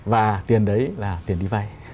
và tiền đấy là tiền đi vay